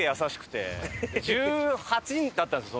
１８だったんですよ